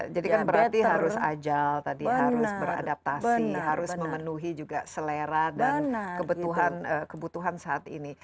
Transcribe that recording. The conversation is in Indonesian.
jadi kan berarti harus ajal harus beradaptasi harus memenuhi juga selera dan kebutuhan saat ini